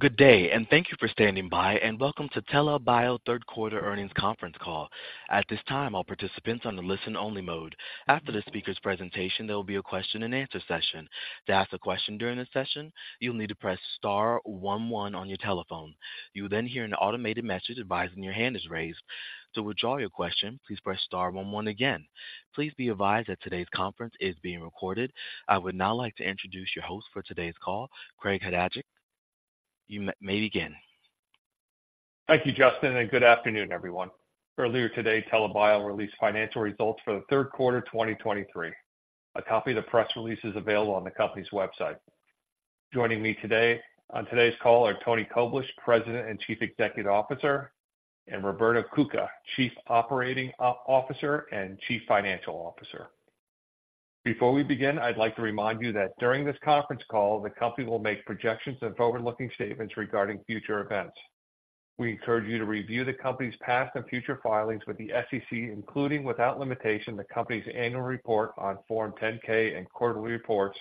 Good day, and thank you for standing by, and welcome to TELA Bio third quarter earnings conference call. At this time, all participants on the listen-only mode. After the speaker's presentation, there will be a question-and-answer session. To ask a question during this session, you'll need to press star one one on your telephone. You will then hear an automated message advising your hand is raised. To withdraw your question, please press star one one again. Please be advised that today's conference is being recorded. I would now like to introduce your host for today's call, Greg Chodaczek. You may begin. Thank you, Justin, and good afternoon, everyone. Earlier today, TELA Bio released financial results for the third quarter, 2023. A copy of the press release is available on the company's website. Joining me today, on today's call are Antony Koblish, President and Chief Executive Officer, and Roberto Cuca, Chief Operating Officer and Chief Financial Officer. Before we begin, I'd like to remind you that during this conference call, the company will make projections and forward-looking statements regarding future events. We encourage you to review the company's past and future filings with the SEC, including, without limitation, the company's annual report on Form 10-K and quarterly reports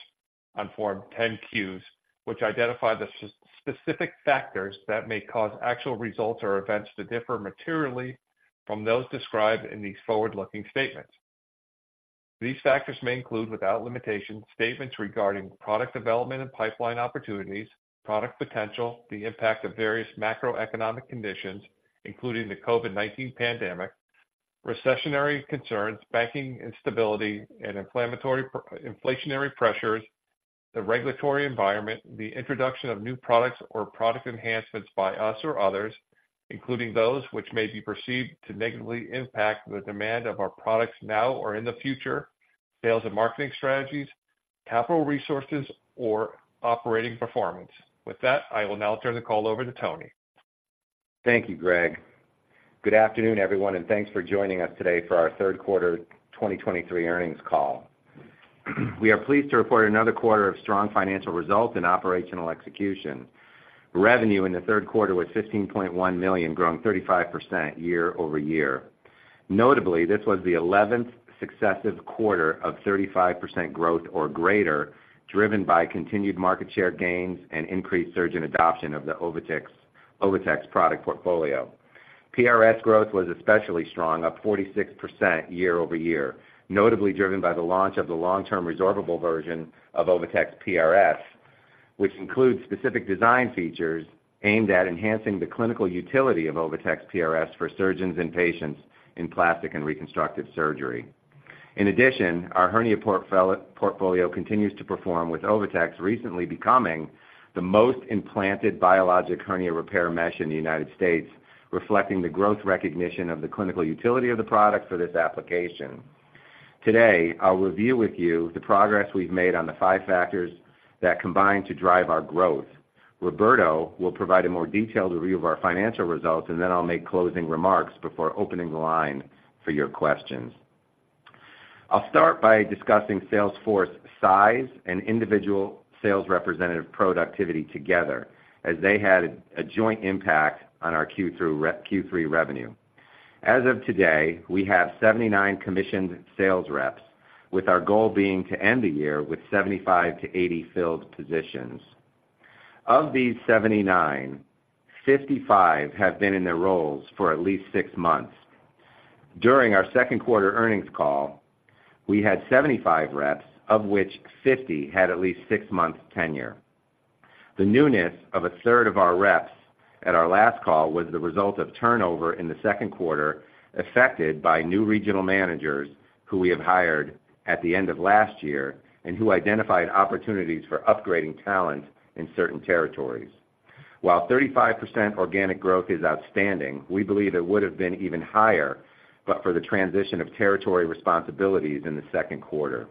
on Form 10-Qs, which identify the specific factors that may cause actual results or events to differ materially from those described in these forward-looking statements. These factors may include, without limitation, statements regarding product development and pipeline opportunities, product potential, the impact of various macroeconomic conditions, including the COVID-19 pandemic, recessionary concerns, banking instability, and inflationary pressures, the regulatory environment, the introduction of new products or product enhancements by us or others, including those which may be perceived to negatively impact the demand of our products now or in the future, sales and marketing strategies, capital resources, or operating performance. With that, I will now turn the call over to Tony. Thank you, Greg. Good afternoon, everyone, and thanks for joining us today for our third quarter 2023 earnings call. We are pleased to report another quarter of strong financial results and operational execution. Revenue in the third quarter was $15.1 million, growing 35% year-over-year. Notably, this was the 11th successive quarter of 35% growth or greater, driven by continued market share gains and increased surgeon adoption of the OviTex product portfolio. PRS growth was especially strong, up 46% year-over-year, notably driven by the launch of the long-term resorbable version of OviTex PRS, which includes specific design features aimed at enhancing the clinical utility of OviTex PRS for surgeons and patients in plastic and reconstructive surgery. In addition, our hernia portfolio continues to perform, with OviTex recently becoming the most implanted biologic hernia repair mesh in the United States, reflecting the growth recognition of the clinical utility of the product for this application. Today, I'll review with you the progress we've made on the five factors that combine to drive our growth. Roberto will provide a more detailed review of our financial results, and then I'll make closing remarks before opening the line for your questions. I'll start by discussing sales force size and individual sales representative productivity together, as they had a joint impact on our Q3 revenue. As of today, we have 79 commissioned sales reps, with our goal being to end the year with 75 to 80 filled positions. Of these 79, 55 have been in their roles for at least six months. During our second quarter earnings call, we had 75 reps, of which 50 had at least six months tenure. The newness of a third of our reps at our last call was the result of turnover in the second quarter, affected by new regional managers who we have hired at the end of last year and who identified opportunities for upgrading talent in certain territories. While 35% organic growth is outstanding, we believe it would have been even higher, but for the transition of territory responsibilities in the second quarter.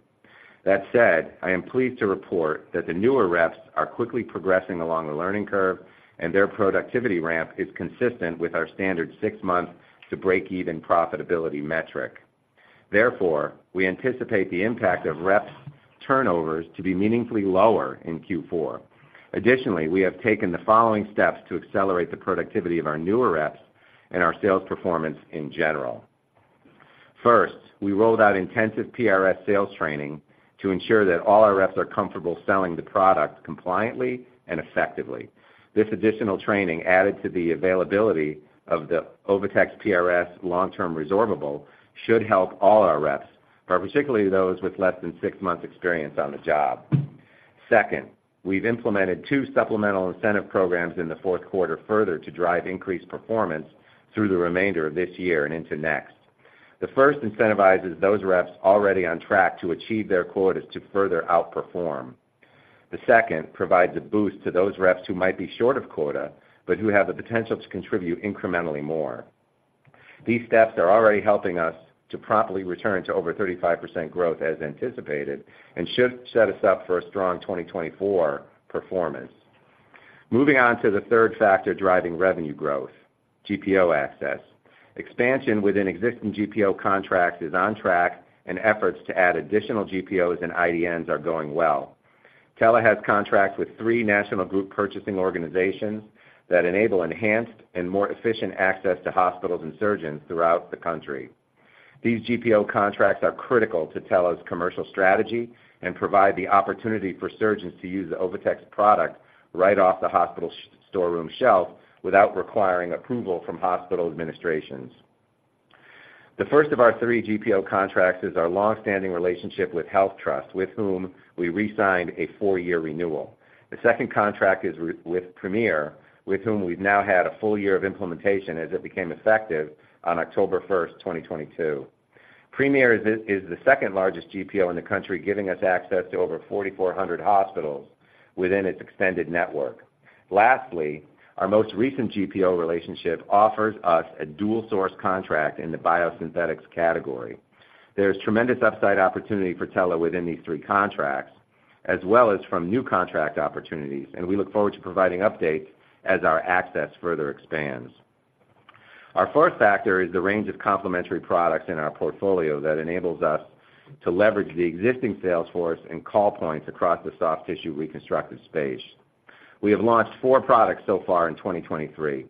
That said, I am pleased to report that the newer reps are quickly progressing along the learning curve, and their productivity ramp is consistent with our standard six-month to break-even profitability metric. Therefore, we anticipate the impact of reps turnovers to be meaningfully lower in Q4. Additionally, we have taken the following steps to accelerate the productivity of our newer reps and our sales performance in general. First, we rolled out intensive PRS sales training to ensure that all our reps are comfortable selling the product compliantly and effectively. This additional training, added to the availability of the OviTex PRS Long-Term Resorbable, should help all our reps, but particularly those with less than six months experience on the job. Second, we've implemented two supplemental incentive programs in the fourth quarter further to drive increased performance through the remainder of this year and into next. The first incentivizes those reps already on track to achieve their quotas to further outperform. The second provides a boost to those reps who might be short of quota, but who have the potential to contribute incrementally more. These steps are already helping us to promptly return to over 35% growth, as anticipated, and should set us up for a strong 2024 performance. Moving on to the third factor, driving revenue growth, GPO access. Expansion within existing GPO contracts is on track, and efforts to add additional GPOs and IDNs are going well. TELA has contracts with three national group purchasing organizations that enable enhanced and more efficient access to hospitals and surgeons throughout the country. These GPO contracts are critical to TELA's commercial strategy and provide the opportunity for surgeons to use the OviTex product right off the hospital storeroom shelf without requiring approval from hospital administrations. The first of our three GPO contracts is our long-standing relationship with HealthTrust, with whom we re-signed a four-year renewal. The second contract is with Premier, with whom we've now had a full year of implementation as it became effective on October 1st, 2022. Premier is the second-largest GPO in the country, giving us access to over 4,400 hospitals within its extended network. Lastly, our most recent GPO relationship offers us a dual source contract in the biosynthetics category. There is tremendous upside opportunity for TELA within these three contracts, as well as from new contract opportunities, and we look forward to providing updates as our access further expands. Our fourth factor is the range of complementary products in our portfolio that enables us to leverage the existing sales force and call points across the soft tissue reconstructive space. We have launched four products so far in 2023.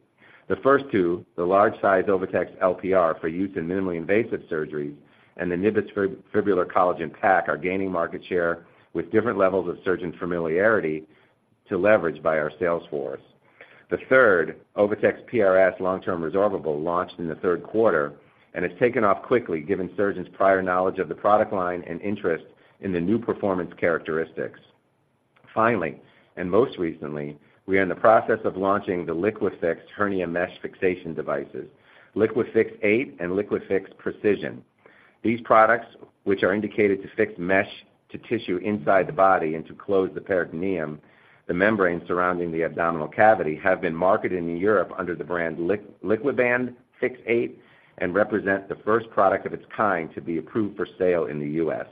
The first two, the large-size OviTex LPR for use in minimally invasive surgeries and the NIVIS Fibrillar Collagen Pack, are gaining market share with different levels of surgeon familiarity to leverage by our sales force. The third, OviTex PRS long-term resorbable, launched in the third quarter and has taken off quickly, given surgeons' prior knowledge of the product line and interest in the new performance characteristics. Finally, and most recently, we are in the process of launching the LIQUIFIX hernia mesh fixation devices, LIQUIFIX FIX8 and LIQUIFIX Precision. These products, which are indicated to fix mesh to tissue inside the body and to close the peritoneum, the membrane surrounding the abdominal cavity, have been marketed in Europe under the brand LiquiBand FIX8 and represent the first product of its kind to be approved for sale in the U.S.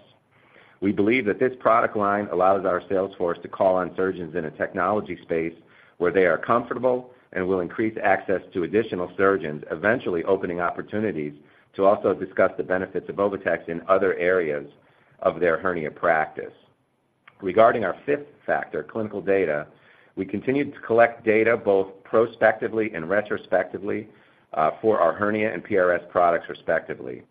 We believe that this product line allows our sales force to call on surgeons in a technology space where they are comfortable and will increase access to additional surgeons, eventually opening opportunities to also discuss the benefits of OviTex in other areas of their hernia practice. Regarding our fifth factor, clinical data, we continued to collect data both prospectively and retrospectively for our hernia and PRS products, respectively.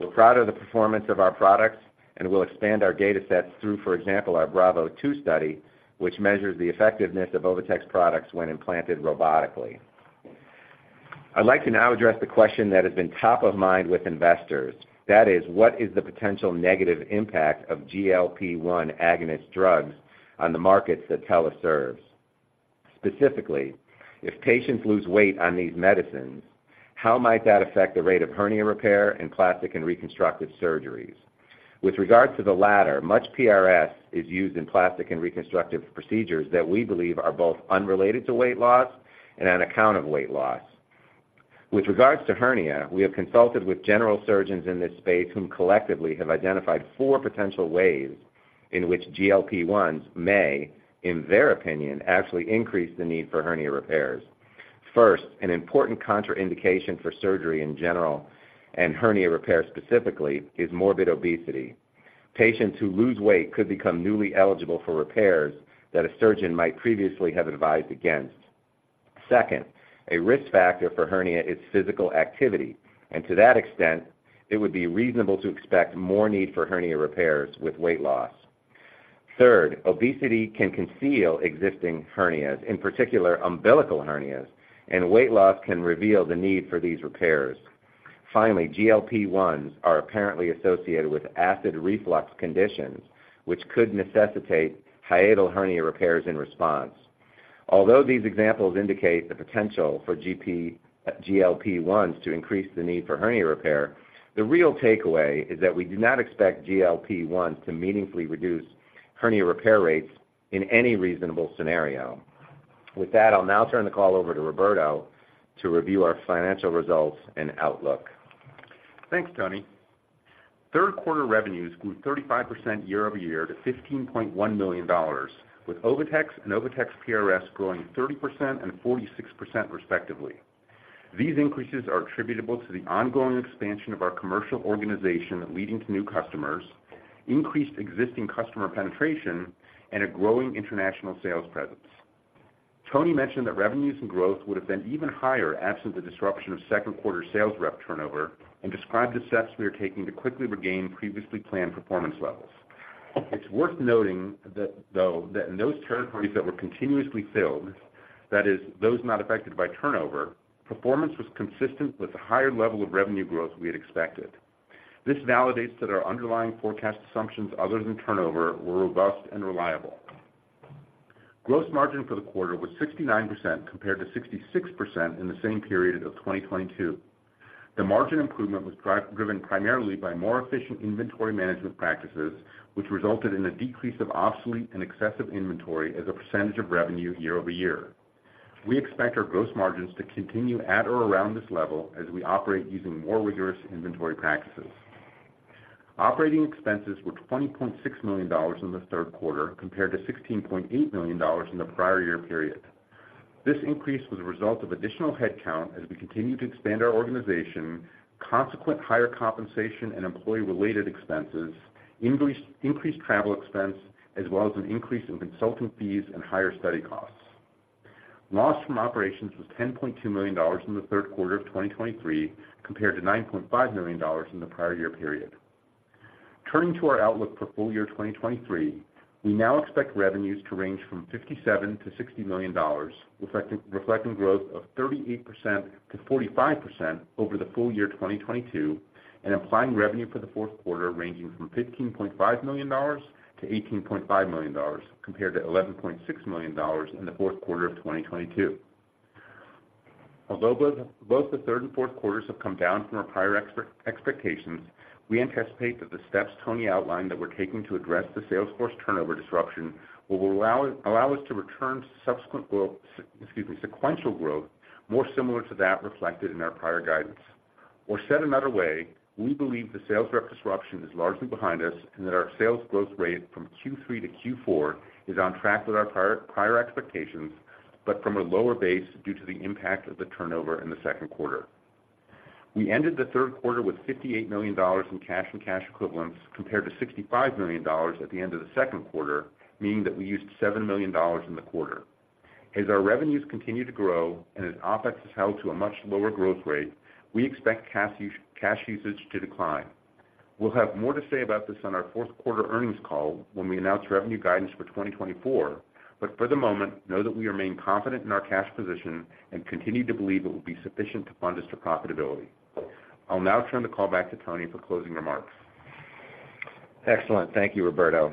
We're proud of the performance of our products, and we'll expand our datasets through, for example, our BRAVO II study, which measures the effectiveness of OviTex products when implanted robotically. I'd like to now address the question that has been top of mind with investors. That is: What is the potential negative impact of GLP-1 Agonist drugs on the markets that TELA serves? Specifically, if patients lose weight on these medicines, how might that affect the rate of hernia repair and plastic and reconstructive surgeries? With regard to the latter, much PRS is used in plastic and reconstructive procedures that we believe are both unrelated to weight loss and on account of weight loss. With regards to hernia, we have consulted with general surgeons in this space, whom collectively have identified four potential ways in which GLP-1s may, in their opinion, actually increase the need for hernia repairs. First, an important contraindication for surgery in general and hernia repair specifically, is morbid obesity. Patients who lose weight could become newly eligible for repairs that a surgeon might previously have advised against. Second, a risk factor for hernia is physical activity, and to that extent, it would be reasonable to expect more need for hernia repairs with weight loss. Third, obesity can conceal existing hernias, in particular, umbilical hernias, and weight loss can reveal the need for these repairs. Finally, GLP-1s are apparently associated with acid reflux conditions, which could necessitate hiatal hernia repairs in response. Although these examples indicate the potential for GLP-1s to increase the need for hernia repair, the real takeaway is that we do not expect GLP-1 to meaningfully reduce hernia repair rates in any reasonable scenario. With that, I'll now turn the call over to Roberto to review our financial results and outlook. Thanks, Tony. Third quarter revenues grew 35% year-over-year to $15.1 million, with OviTex and OviTex PRS growing 30% and 46%, respectively. These increases are attributable to the ongoing expansion of our commercial organization, leading to new customers, increased existing customer penetration, and a growing international sales presence. Tony mentioned that revenues and growth would have been even higher absent the disruption of second quarter sales rep turnover and described the steps we are taking to quickly regain previously planned performance levels. It's worth noting that, though, that in those territories that were continuously filled, that is, those not affected by turnover, performance was consistent with the higher level of revenue growth we had expected. This validates that our underlying forecast assumptions, other than turnover, were robust and reliable. Gross margin for the quarter was 69%, compared to 66% in the same period of 2022. The margin improvement was driven primarily by more efficient inventory management practices, which resulted in a decrease of obsolete and excessive inventory as a percentage of revenue year-over-year. We expect our gross margins to continue at or around this level as we operate using more rigorous inventory practices. Operating expenses were $20.6 million in the third quarter, compared to $16.8 million in the prior year period. This increase was a result of additional headcount as we continue to expand our organization, consequent higher compensation and employee-related expenses, increased travel expense, as well as an increase in consultant fees and higher study costs. Loss from operations was $10.2 million in the third quarter of 2023, compared to $9.5 million in the prior year period. Turning to our outlook for full year 2023, we now expect revenues to range from $57 million to $60 million, reflecting growth of 38% to 45% over the full year 2022, and implying revenue for the fourth quarter ranging from $15.5 million to $18.5 million, compared to $11.6 million in the fourth quarter of 2022. Although both the third and fourth quarters have come down from our prior expectations, we anticipate that the steps Tony outlined that we're taking to address the sales force turnover disruption will allow us to return to subsequent growth, excuse me, sequential growth, more similar to that reflected in our prior guidance. Or said another way, we believe the sales rep disruption is largely behind us, and that our sales growth rate from Q3 to Q4 is on track with our prior expectations, but from a lower base due to the impact of the turnover in the second quarter. We ended the third quarter with $58 million in cash and cash equivalents, compared to $65 million at the end of the second quarter, meaning that we used $7 million in the quarter. As our revenues continue to grow and as OpEx is held to a much lower growth rate, we expect cash usage to decline. We'll have more to say about this on our fourth quarter earnings call when we announce revenue guidance for 2024, but for the moment, know that we remain confident in our cash position and continue to believe it will be sufficient to fund us to profitability. I'll now turn the call back to Tony for closing remarks. Excellent. Thank you, Roberto.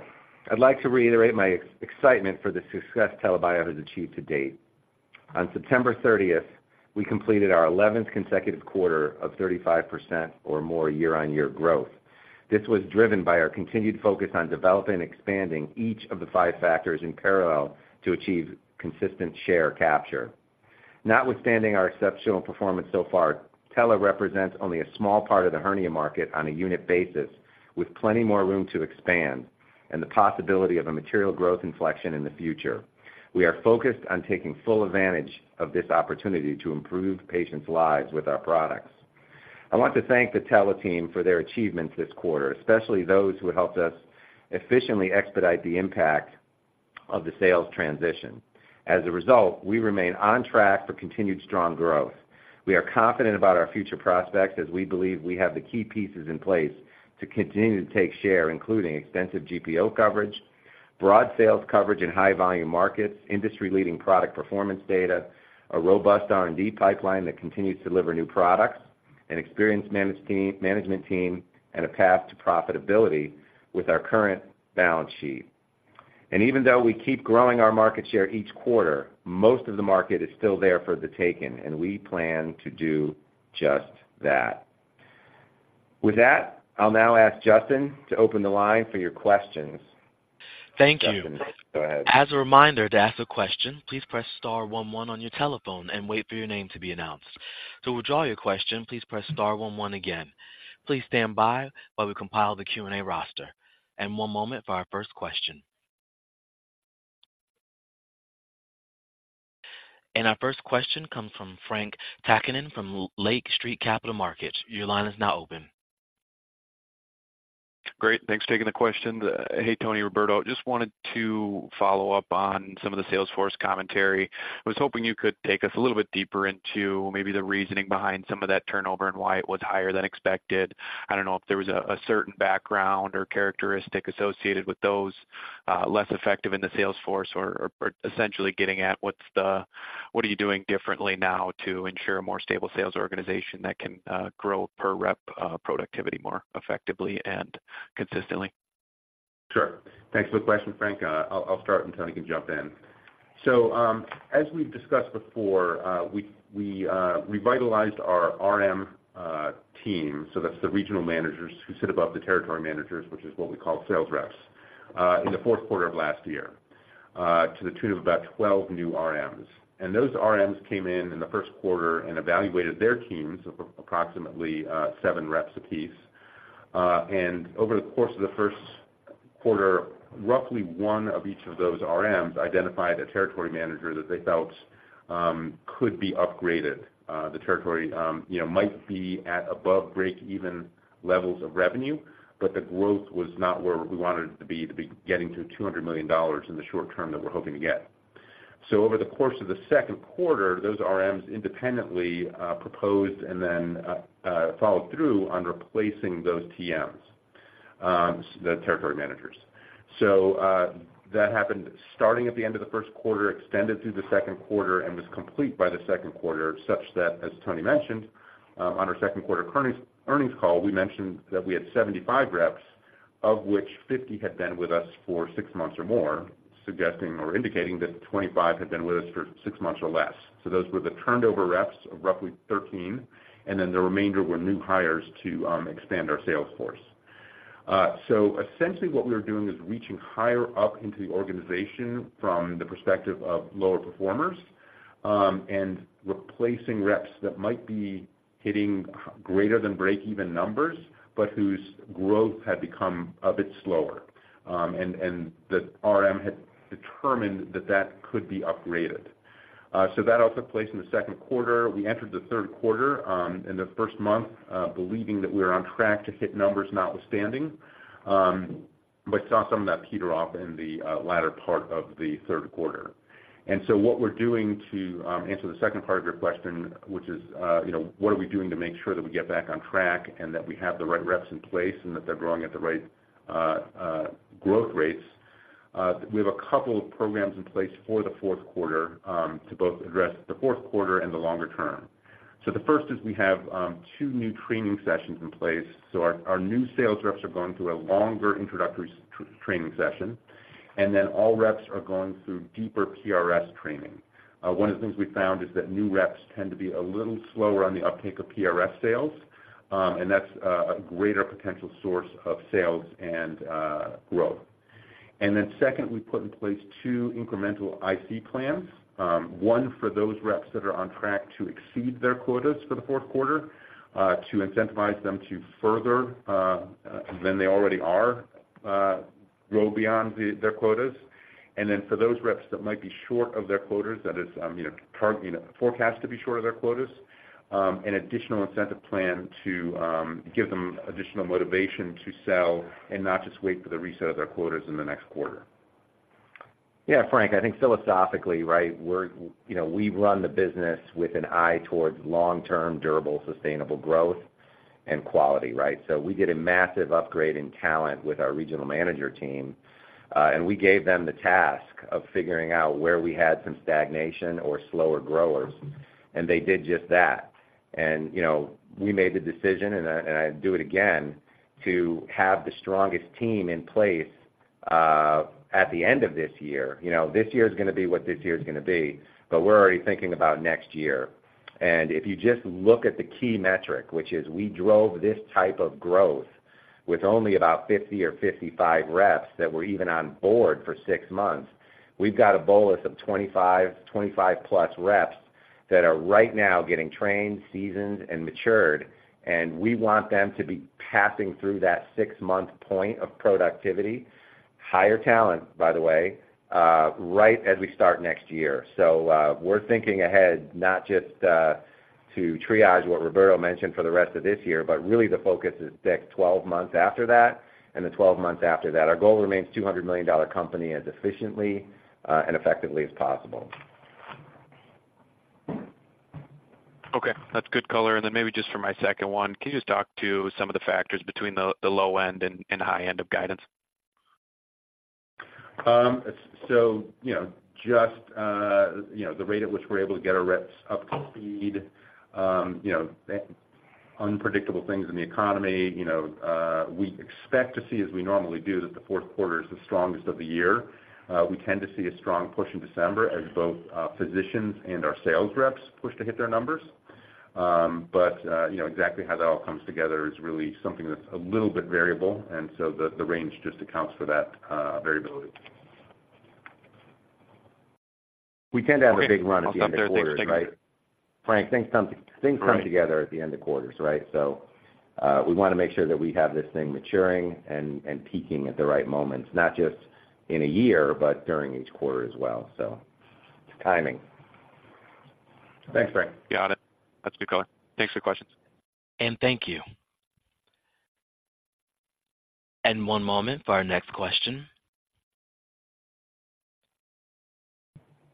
I'd like to reiterate my excitement for the success TELA Bio has achieved to date. On September 30th, we completed our 11th consecutive quarter of 35% or more year-on-year growth. This was driven by our continued focus on developing and expanding each of the five factors in parallel to achieve consistent share capture. Notwithstanding our exceptional performance so far, TELA Bio represents only a small part of the hernia market on a unit basis, with plenty more room to expand and the possibility of a material growth inflection in the future. We are focused on taking full advantage of this opportunity to improve patients' lives with our products. I want to thank the TELA Bio team for their achievements this quarter, especially those who helped us efficiently expedite the impact of the sales transition. As a result, we remain on track for continued strong growth. We are confident about our future prospects as we believe we have the key pieces in place to continue to take share, including extensive GPO coverage, broad sales coverage in high volume markets, industry-leading product performance data, a robust R&D pipeline that continues to deliver new products, an experienced management team, and a path to profitability with our current balance sheet. Even though we keep growing our market share each quarter, most of the market is still there for the taking, and we plan to do just that. With that, I'll now ask Justin to open the line for your questions. Thank you. Justin, go ahead. As a reminder, to ask a question, please press star one one on your telephone and wait for your name to be announced. To withdraw your question, please press star one one again. Please stand by while we compile the Q&A roster. One moment for our first question. Our first question comes from Frank Takkinen from Lake Street Capital Markets. Your line is now open. Great. Thanks for taking the question. Hey, Tony, Roberto. Just wanted to follow up on some of the sales force commentary. I was hoping you could take us a little bit deeper into maybe the reasoning behind some of that turnover and why it was higher than expected. I don't know if there was a certain background or characteristic associated with those less effective in the sales force, or essentially getting at what are you doing differently now to ensure a more stable sales organization that can grow per rep productivity more effectively and consistently? Sure. Thanks for the question, Frank. I'll start, and Tony can jump in. So, as we've discussed before, we revitalized our RM team, so that's the regional managers who sit above the territory managers, which is what we call sales reps, in the fourth quarter of last year, to the tune of about 12 new RMs. And those RMs came in in the first quarter and evaluated their teams of approximately seven reps apiece. And over the course of the first quarter, roughly one of each of those RMs identified a territory manager that they felt could be upgraded. The territory, you know, might be at above breakeven levels of revenue, but the growth was not where we wanted it to be, to be getting to $200 million in the short term that we're hoping to get. So over the course of the second quarter, those RMs independently proposed and then followed through on replacing those TMs, the territory managers. So that happened starting at the end of the first quarter, extended through the second quarter, and was complete by the second quarter, such that, as Tony mentioned, on our second quarter earnings call, we mentioned that we had 75 reps, of which 50 had been with us for six months or more, suggesting or indicating that 25 had been with us for six months or less. So those were the turnover reps of roughly 13, and then the remainder were new hires to expand our sales force. So essentially what we were doing is reaching higher up into the organization from the perspective of lower performers, and replacing reps that might be hitting greater than break even numbers, but whose growth had become a bit slower, and the RM had determined that that could be upgraded. So that all took place in the second quarter. We entered the third quarter in the first month, believing that we were on track to hit numbers notwithstanding. But saw some of that peter off in the latter part of the third quarter. And so what we're doing, to answer the second part of your question, which is, you know, what are we doing to make sure that we get back on track, and that we have the right reps in place, and that they're growing at the right growth rates? We have a couple of programs in place for the fourth quarter, to both address the fourth quarter and the longer term. So the first is we have two new training sessions in place. So our new sales reps are going through a longer introductory training session, and then all reps are going through deeper PRS training. One of the things we found is that new reps tend to be a little slower on the uptake of PRS sales, and that's a greater potential source of sales and growth. Second, we put in place two incremental IC plans. One, for those reps that are on track to exceed their quotas for the fourth quarter, to incentivize them to further than they already are grow beyond their quotas. And then for those reps that might be short of their quotas, that is, you know, forecast to be short of their quotas, an additional incentive plan to give them additional motivation to sell and not just wait for the reset of their quotas in the next quarter. Yeah, Frank, I think philosophically, right, we're, you know, we run the business with an eye towards long-term, durable, sustainable growth and quality, right? So we did a massive upgrade in talent with our regional manager team, and we gave them the task of figuring out where we had some stagnation or slower growers, and they did just that. You know, we made the decision, and I, and I'd do it again, to have the strongest team in place at the end of this year. You know, this year is gonna be what this year is gonna be, but we're already thinking about next year. If you just look at the key metric, which is we drove this type of growth with only about 50 or 55 reps that were even on board for six months. We've got a bolus of 25, 25+ reps that are right now getting trained, seasoned, and matured, and we want them to be passing through that six-month point of productivity, higher talent, by the way, right as we start next year. So, we're thinking ahead, not just to triage what Roberto mentioned for the rest of this year, but really the focus is back 12 months after that and the 12 months after that. Our goal remains $200 million company as efficiently, and effectively as possible. Okay, that's good color. And then maybe just for my second one, can you just talk to some of the factors between the low end and high end of guidance? So, you know, just, you know, the rate at which we're able to get our reps up to speed, you know, unpredictable things in the economy. You know, we expect to see, as we normally do, that the fourth quarter is the strongest of the year. We tend to see a strong push in December as both physicians and our sales reps push to hit their numbers. But, you know, exactly how that all comes together is really something that's a little bit variable, and so the range just accounts for that variability. We tend to have a big run at the end of quarters, right? Frank, I'll stop there. Thanks. Frank, things come, things come together at the end of quarters, right? So, we wanna make sure that we have this thing maturing and, and peaking at the right moments, not just in a year, but during each quarter as well. So it's timing. Thanks, Frank. Got it. That's good color. Thanks for the questions. Thank you. One moment for our next question.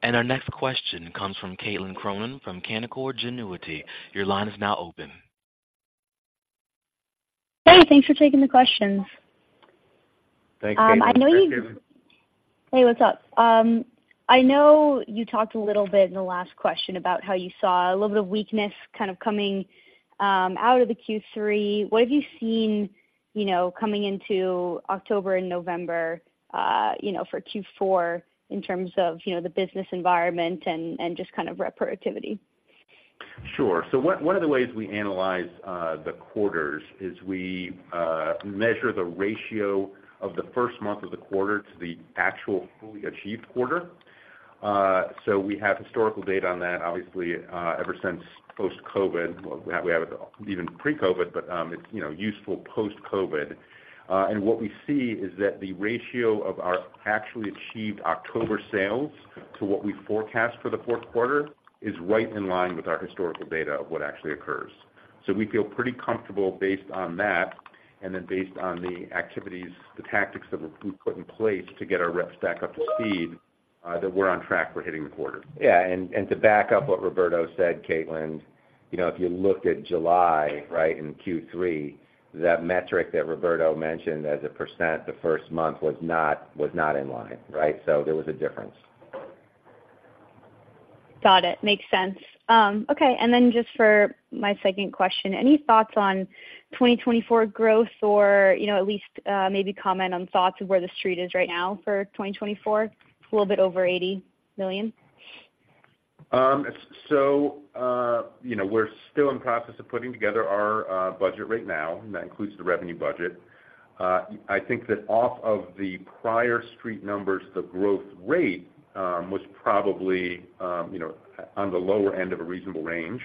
Our next question comes from Caitlin Cronin from Canaccord Genuity. Your line is now open. Hey, thanks for taking the questions. Thanks, Caitlin. Thanks, Caitlin. I know you talked a little bit in the last question about how you saw a little bit of weakness kind of coming out of the Q3. What have you seen, you know, coming into October and November, you know, for Q4 in terms of, you know, the business environment and, and just kind of rep productivity? Sure. So one of the ways we analyze the quarters is we measure the ratio of the first month of the quarter to the actual fully achieved quarter. So we have historical data on that, obviously, ever since post-COVID. Well, we have it even pre-COVID, but it's, you know, useful post-COVID. And what we see is that the ratio of our actually achieved October sales to what we forecast for the fourth quarter is right in line with our historical data of what actually occurs. So we feel pretty comfortable based on that, and then based on the activities, the tactics that we've put in place to get our reps back up to speed, that we're on track for hitting the quarter. Yeah, and, and to back up what Roberto said, Caitlin, you know, if you looked at July, right, in Q3, that metric that Roberto mentioned as a percent, the first month was not, was not in line, right? So there was a difference. Got it. Makes sense. Okay, and then just for my second question, any thoughts on 2024 growth or, you know, at least, maybe comment on thoughts of where the street is right now for 2024? It's a little bit over $80 million. So, you know, we're still in the process of putting together our budget right now, and that includes the revenue budget. I think that off of the prior street numbers, the growth rate was probably, you know, on the lower end of a reasonable range.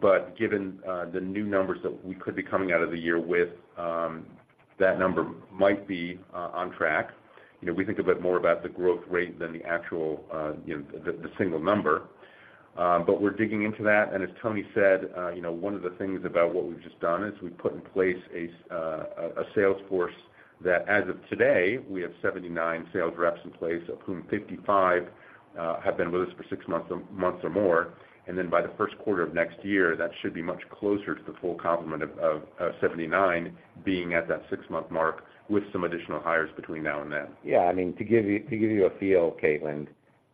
But given the new numbers that we could be coming out of the year with, that number might be on track. You know, we think a bit more about the growth rate than the actual, you know, the single number. But we're digging into that, and as Tony said, you know, one of the things about what we've just done is we've put in place a sales force that, as of today, we have 79 sales reps in place, of whom 55 have been with us for six months or more. And then by the first quarter of next year, that should be much closer to the full complement of 79 being at that six-month mark with some additional hires between now and then. Yeah, I mean, to give you, to give you a feel, Caitlin,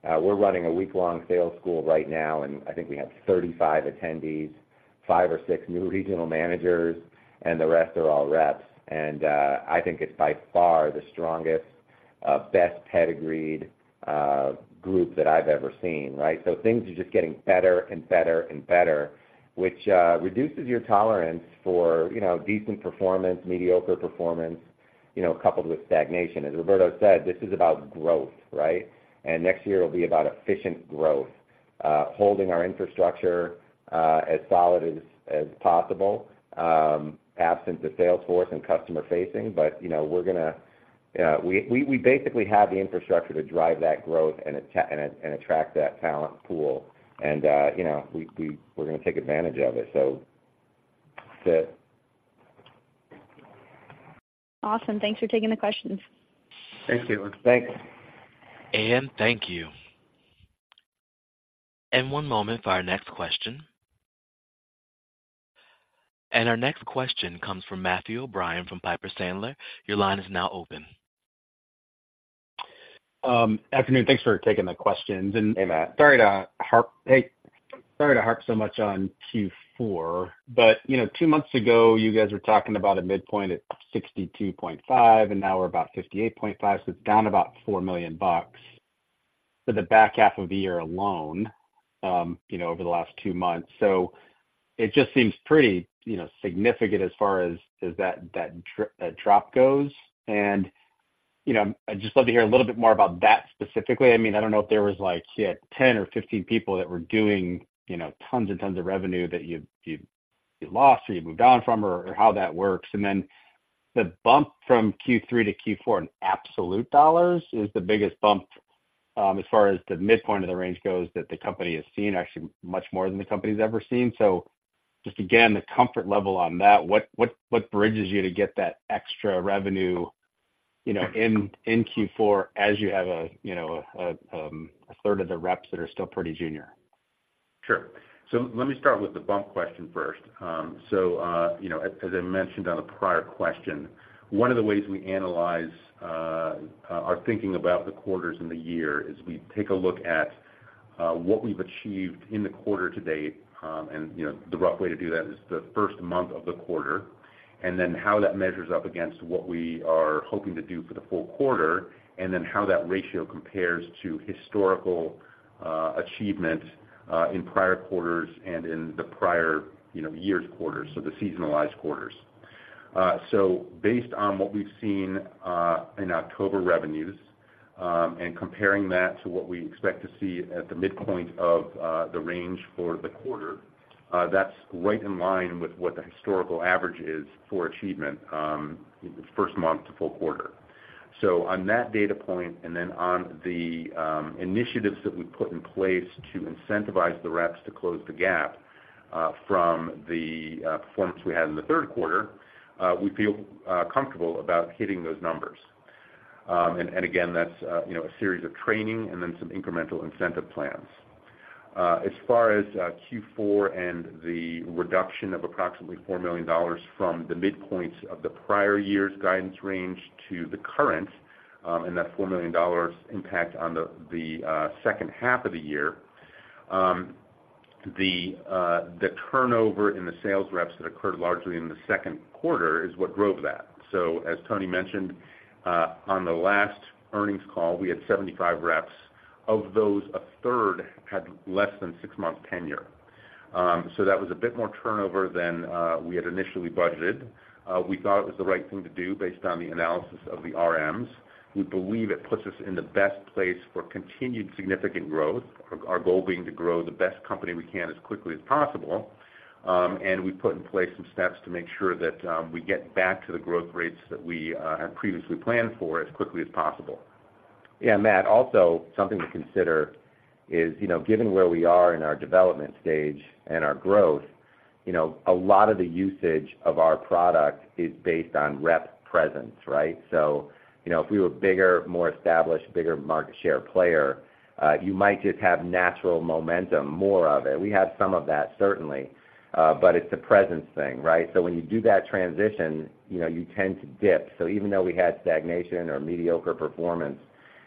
we're running a week-long sales school right now, and I think we have 35 attendees, five or six new regional managers, and the rest are all reps. And I think it's by far the strongest, best pedigreed group that I've ever seen, right? So things are just getting better and better and better, which reduces your tolerance for, you know, decent performance, mediocre performance, you know, coupled with stagnation. As Roberto said, this is about growth, right? And next year will be about efficient growth, holding our infrastructure as solid as possible, absent the sales force and customer facing. But, you know, we're gonna. We basically have the infrastructure to drive that growth and attract that talent pool. You know, we're gonna take advantage of it. So that's it. Awesome. Thanks for taking the questions. Thanks, Caitlin. Thanks. Thank you. One moment for our next question. Our next question comes from Matthew O'Brien from Piper Sandler. Your line is now open. Afternoon. Thanks for taking the questions. Hey, Matt. Sorry to harp. Hey, sorry to harp so much on Q4, but, you know, two months ago, you guys were talking about a midpoint at 62.5, and now we're about 58.5, so it's down about $4 million for the back half of the year alone, you know, over the last two months. So it just seems pretty, you know, significant as far as that drop goes. And, you know, I'd just love to hear a little bit more about that specifically. I mean, I don't know if there was like, yeah, 10 or 15 people that were doing, you know, tons and tons of revenue that you lost, or you moved on from, or how that works. And then the bump from Q3 to Q4 in absolute dollars is the biggest bump, as far as the midpoint of the range goes, that the company has seen, actually much more than the company's ever seen. So just again, the comfort level on that, what bridges you to get that extra revenue, you know, in Q4 as you have a, you know, a third of the reps that are still pretty junior? Sure. So let me start with the bump question first. You know, as I mentioned on a prior question, one of the ways we analyze our thinking about the quarters in the year is we take a look at what we've achieved in the quarter to date. And, you know, the rough way to do that is the first month of the quarter, and then how that measures up against what we are hoping to do for the full quarter, and then how that ratio compares to historical achievement in prior quarters and in the prior, you know, year's quarters, so the seasonalized quarters. So based on what we've seen in October revenues, and comparing that to what we expect to see at the midpoint of the range for the quarter, that's right in line with what the historical average is for achievement, first month to full quarter. So on that data point, and then on the initiatives that we've put in place to incentivize the reps to close the gap from the performance we had in the third quarter, we feel comfortable about hitting those numbers. And again, that's, you know, a series of training and then some incremental incentive plans. As far as Q4 and the reduction of approximately $4 million from the midpoints of the prior year's guidance range to the current, and that $4 million impact on the second half of the year. The turnover in the sales reps that occurred largely in the second quarter is what drove that. So as Tony mentioned on the last earnings call, we had 75 reps. Of those, a third had less than six months tenure. So that was a bit more turnover than we had initially budgeted. We thought it was the right thing to do based on the analysis of the RMs. We believe it puts us in the best place for continued significant growth, our goal being to grow the best company we can as quickly as possible. We put in place some steps to make sure that we get back to the growth rates that we had previously planned for as quickly as possible. Yeah, Matt, also, something to consider is, you know, given where we are in our development stage and our growth, you know, a lot of the usage of our product is based on rep presence, right? So, you know, if we were bigger, more established, bigger market share player, you might just have natural momentum, more of it. We have some of that, certainly, but it's a presence thing, right? So when you do that transition, you know, you tend to dip. So even though we had stagnation or mediocre performance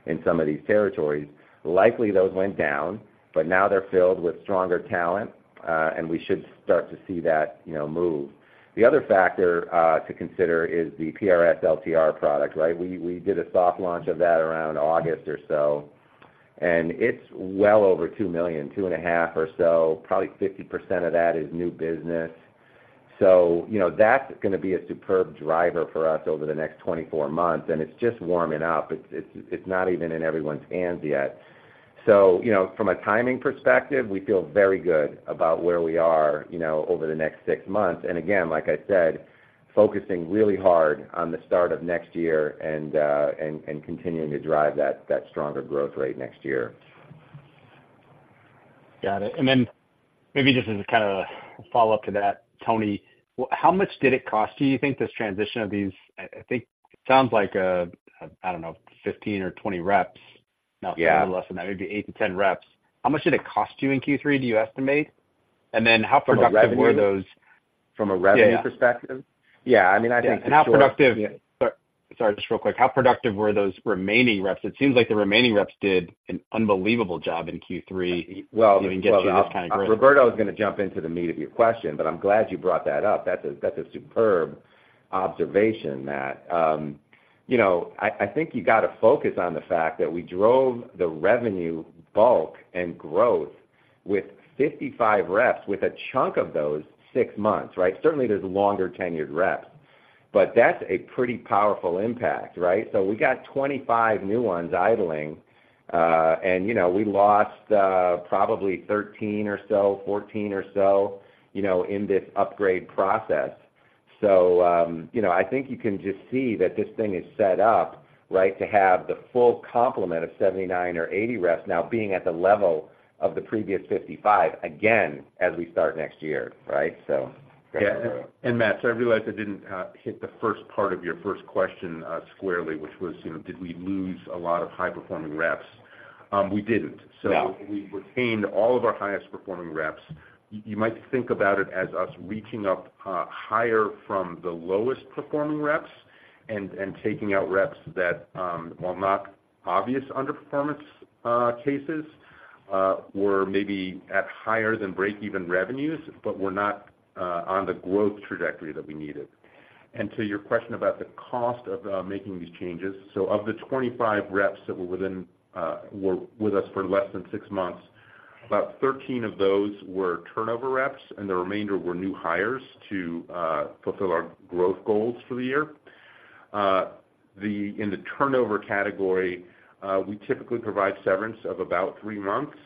in some of these territories, likely those went down, but now they're filled with stronger talent, and we should start to see that, you know, move. The other factor to consider is the PRS LTR product, right? We did a soft launch of that around August or so, and it's well over $2 million, $2.5 million or so. Probably 50% of that is new business. So, you know, that's gonna be a superb driver for us over the next 24 months, and it's just warming up. It's not even in everyone's hands yet. So, you know, from a timing perspective, we feel very good about where we are, you know, over the next six months. And again, like I said, focusing really hard on the start of next year and continuing to drive that stronger growth rate next year. Got it. And then maybe just as kind of a follow-up to that, Tony, how much did it cost, do you think, this transition of these? I, I think it sounds like, I don't know, 15 or 20 reps. Yeah. No, less than that, maybe eight to 10 reps. How much did it cost you in Q3, do you estimate? And then how productive were those- From a revenue? From a revenue perspective? Yeah. Yeah, I mean, I think. And how productive. Yeah. Sorry, just real quick. How productive were those remaining reps? It seems like the remaining reps did an unbelievable job in Q3. Well. To get you this kind of growth. Roberto is going to jump into the meat of your question, but I'm glad you brought that up. That's a superb observation, Matt. You know, I think you got to focus on the fact that we drove the revenue bulk and growth with 55 reps, with a chunk of those six months, right? Certainly, there's longer-tenured reps, but that's a pretty powerful impact, right? So, you know, I think you can just see that this thing is set up, right, to have the full complement of 79 or 80 reps now being at the level of the previous 55, again, as we start next year, right? So. Yeah. And Matt, so I realize I didn't hit the first part of your first question squarely, which was, you know, did we lose a lot of high-performing reps? We didn't. No. So we retained all of our highest-performing reps. You might think about it as us reaching up higher from the lowest-performing reps and taking out reps that, while not obvious underperformance cases, were maybe at higher than break-even revenues, but were not on the growth trajectory that we needed. And to your question about the cost of making these changes, so of the 25 reps that were with us for less than six months, about 13 of those were turnover reps, and the remainder were new hires to fulfill our growth goals for the year. In the turnover category, we typically provide severance of about three months.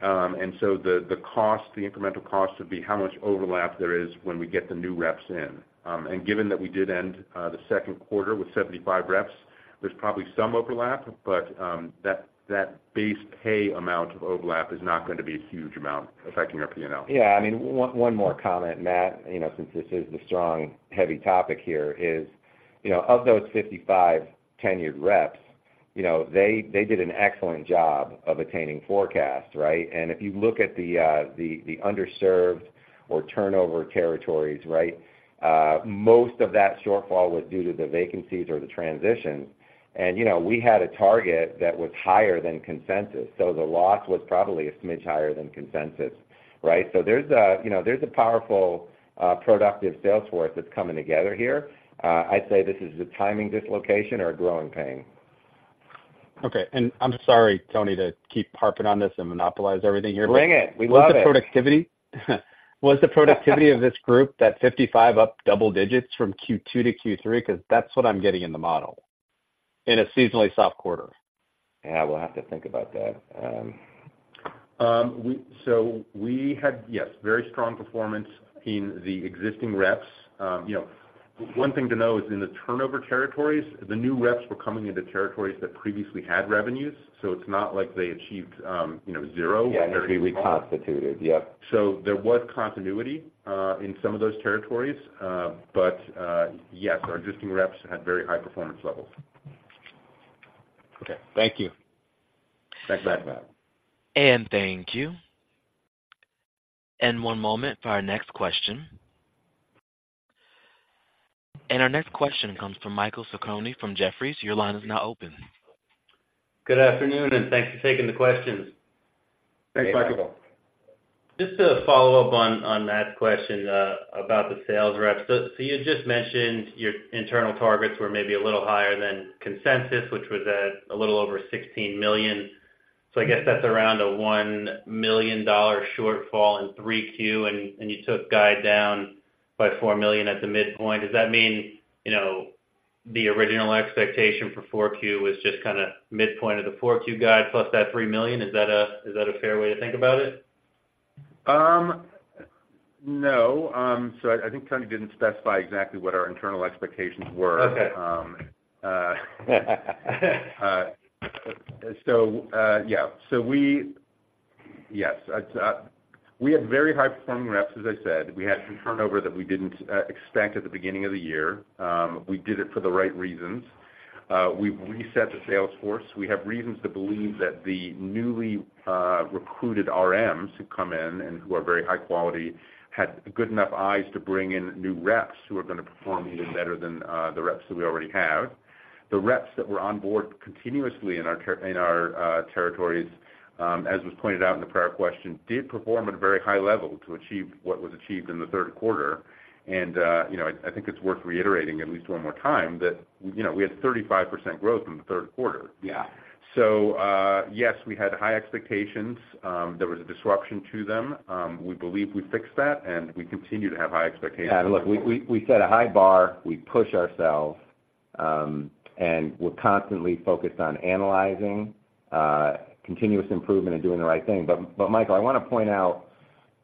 And so the cost, the incremental cost, would be how much overlap there is when we get the new reps in. And given that we did end the second quarter with 75 reps, there's probably some overlap, but that base pay amount of overlap is not going to be a huge amount affecting our P&L. Yeah, I mean, one, one more comment, Matt, you know, since this is the strong, heavy topic here, is, you know, of those 55 tenured reps, you know, they, they did an excellent job of attaining forecast, right? And if you look at the underserved or turnover territories, right, most of that shortfall was due to the vacancies or the transition. And, you know, we had a target that was higher than consensus, so the loss was probably a smidge higher than consensus, right? So there's a, you know, there's a powerful, productive sales force that's coming together here. I'd say this is a timing dislocation or a growing pain. Okay. I'm sorry, Tony, to keep harping on this and monopolize everything here. Bring it! We love it. Was the productivity of this group, that 55 up double digits from Q2 to Q3? Because that's what I'm getting in the model, in a seasonally soft quarter. Yeah, we'll have to think about that. We had, yes, very strong performance in the existing reps. You know, one thing to know is in the turnover territories, the new reps were coming into territories that previously had revenues, so it's not like they achieved, you know, zero. Yeah, and reconstituted. Yep. So there was continuity in some of those territories. But yes, our existing reps had very high performance levels. Okay. Thank you. Thanks, Matt. Thank you. One moment for our next question. Our next question comes from Michael Sarcone from Jefferies. Your line is now open. Good afternoon, and thanks for taking the questions. Thanks, Michael. Thanks, Michael. Just to follow up on Matt's question about the sales reps. So you just mentioned your internal targets were maybe a little higher than consensus, which was at a little over $16 million. So I guess that's around a $1 million shortfall in Q3, and you took guide down by $4 million at the midpoint. Does that mean, you know, the original expectation for Q4 was just kind of midpoint of the Q4 guide plus that $3 million? Is that a fair way to think about it? No. So I think Tony didn't specify exactly what our internal expectations were. Okay. Yes, we had very high-performing reps, as I said. We had some turnover that we didn't expect at the beginning of the year. We did it for the right reasons. We've reset the sales force. We have reasons to believe that the newly recruited RMs, who come in and who are very high quality, had good enough eyes to bring in new reps who are going to perform even better than the reps that we already have. The reps that were on board continuously in our territories, as was pointed out in the prior question, did perform at a very high level to achieve what was achieved in the third quarter. You know, I think it's worth reiterating at least one more time, that, you know, we had 35% growth in the third quarter. Yeah. So, yes, we had high expectations. There was a disruption to them. We believe we fixed that, and we continue to have high expectations. And look, we set a high bar. We push ourselves, and we're constantly focused on analyzing continuous improvement and doing the right thing. But Michael, I wanna point out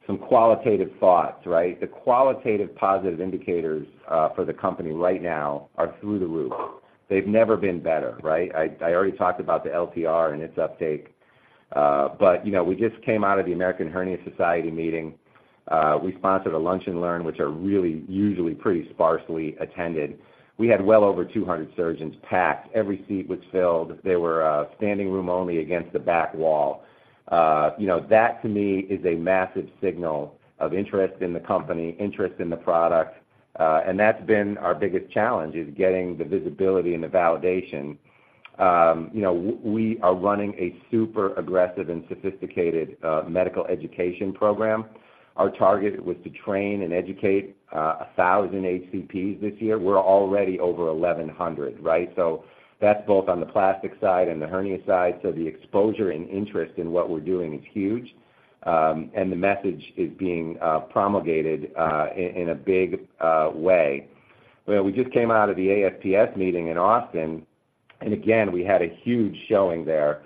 some qualitative thoughts, right? The qualitative positive indicators for the company right now are through the roof. They've never been better, right? I already talked about the LTR and its uptake. But you know, we just came out of the American Hernia Society meeting. We sponsored a lunch and learn, which are really usually pretty sparsely attended. We had well over 200 surgeons packed. Every seat was filled. They were standing room only against the back wall. You know, that to me is a massive signal of interest in the company, interest in the product, and that's been our biggest challenge, is getting the visibility and the validation. You know, we are running a super aggressive and sophisticated medical education program. Our target was to train and educate a thousand HCPs this year. We're already over 1,100, right? So that's both on the plastic side and the hernia side. So the exposure and interest in what we're doing is huge, and the message is being promulgated in a big way. Well, we just came out of the ASPS meeting in Austin, and again, we had a huge showing there.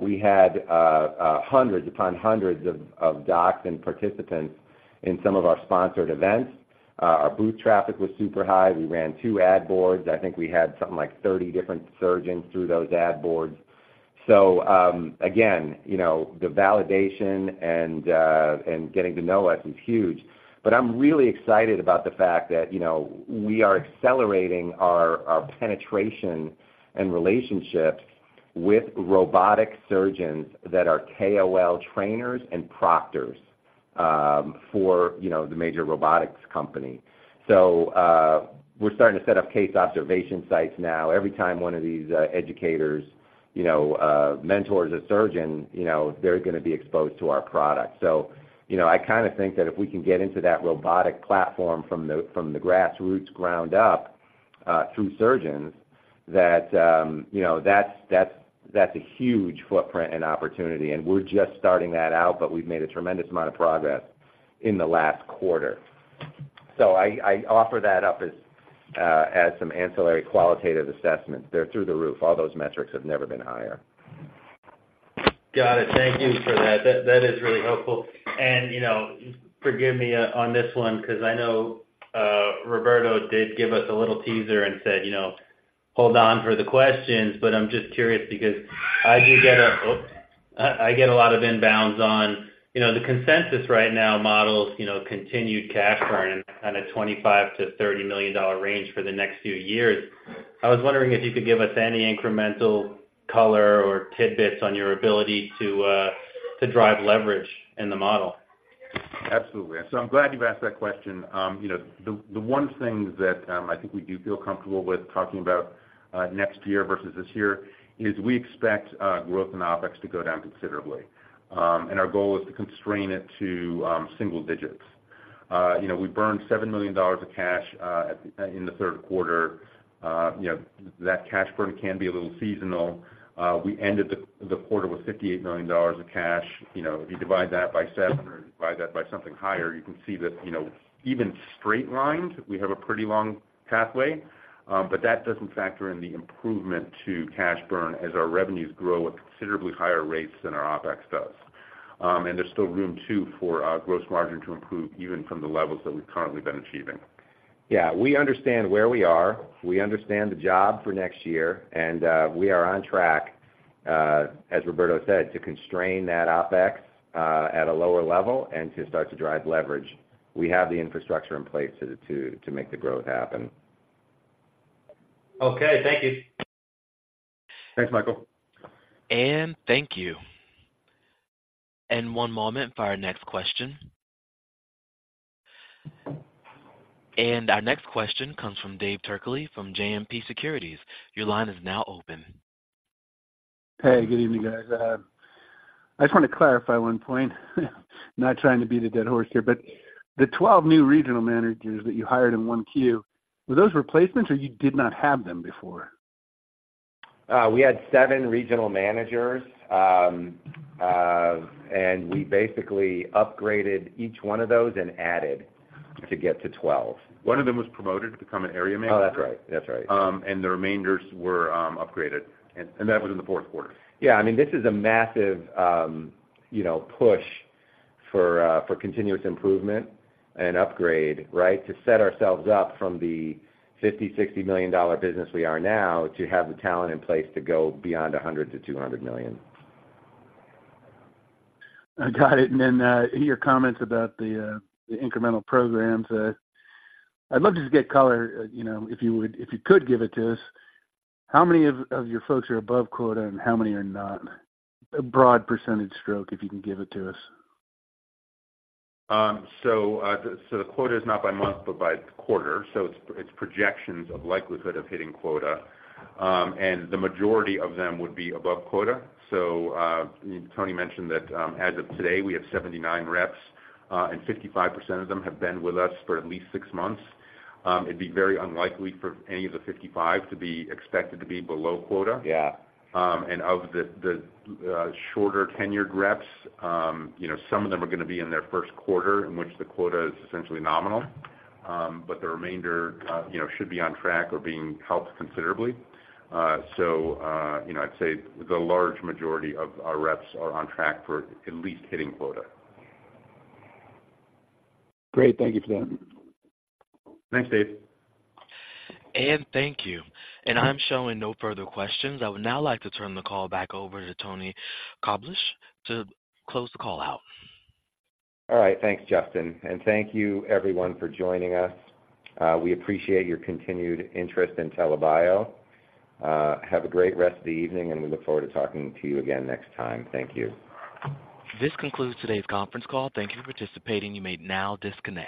We had hundreds upon hundreds of docs and participants in some of our sponsored events. Our booth traffic was super high. We ran two ad boards. I think we had something like 30 different surgeons through those ad boards. So, again, you know, the validation and getting to know us is huge. But I'm really excited about the fact that, you know, we are accelerating our penetration and relationships with robotic surgeons that are KOL trainers and proctors, for, you know, the major robotics company. So, we're starting to set up case observation sites now. Every time one of these educators, you know, mentors a surgeon, you know, they're gonna be exposed to our product. So, you know, I kinda think that if we can get into that robotic platform from the grassroots ground up, through surgeons, that, you know, that's a huge footprint and opportunity, and we're just starting that out, but we've made a tremendous amount of progress in the last quarter. So I offer that up as some ancillary qualitative assessment. They're through the roof. All those metrics have never been higher. Got it. Thank you for that. That, that is really helpful. And, you know, forgive me on this one, 'cause I know, Roberto did give us a little teaser and said, you know, "Hold on for the questions," but I'm just curious because I do get a lot of inbounds on, you know, the consensus right now models, you know, continued cash burn on a $25 million to $30 million range for the next few years. I was wondering if you could give us any incremental color or tidbits on your ability to, to drive leverage in the model. Absolutely. So I'm glad you've asked that question. You know, the one thing that I think we do feel comfortable with talking about next year versus this year is we expect growth in OpEx to go down considerably. And our goal is to constrain it to single digits. You know, we burned $7 million of cash in the third quarter. You know, that cash burn can be a little seasonal. We ended the quarter with $58 million of cash. You know, if you divide that by seven or divide that by something higher, you can see that, you know, even straight lined, we have a pretty long pathway, but that doesn't factor in the improvement to cash burn as our revenues grow at considerably higher rates than our OpEx does. There's still room, too, for our gross margin to improve, even from the levels that we've currently been achieving. Yeah, we understand where we are, we understand the job for next year, and, we are on track, as Roberto said, to constrain that OpEx, at a lower level and to start to drive leverage. We have the infrastructure in place to make the growth happen. Okay, thank you. Thanks, Michael. Thank you. One moment for our next question. Our next question comes from Dave Turkaly from JMP Securities. Your line is now open. Hey, good evening, guys. I just want to clarify one point. Not trying to beat a dead horse here, but the 12 new regional managers that you hired in Q1, were those replacements or you did not have them before? We had seven regional managers, and we basically upgraded each one of those and added to get to 12. One of them was promoted to become an area manager. Oh, that's right. That's right. The remainders were upgraded, and that was in the fourth quarter. Yeah. I mean, this is a massive, you know, push for, for continuous improvement and upgrade, right? To set ourselves up from the $50 million to $60 million business we are now, to have the talent in place to go beyond $100 million to $200 million. I got it. Then, in your comments about the incremental programs, I'd love to just get color, you know, if you would, if you could give it to us, how many of your folks are above quota and how many are not? A broad percentage stroke, if you can give it to us. So, the quota is not by month, but by quarter. So it's, it's projections of likelihood of hitting quota, and the majority of them would be above quota. So, Tony mentioned that, as of today, we have 79 reps, and 55% of them have been with us for at least six months. It'd be very unlikely for any of the 55 to be expected to be below quota. Yeah. And of the shorter tenured reps, you know, some of them are gonna be in their first quarter, in which the quota is essentially nominal. But the remainder, you know, should be on track or being helped considerably. So, you know, I'd say the large majority of our reps are on track for at least hitting quota. Great. Thank you for that. Thanks, Dave. And thank you. I'm showing no further questions. I would now like to turn the call back over to Antony Koblish to close the call out. All right. Thanks, Justin, and thank you everyone for joining us. We appreciate your continued interest in TELA Bio. Have a great rest of the evening, and we look forward to talking to you again next time. Thank you. This concludes today's conference call. Thank you for participating. You may now disconnect.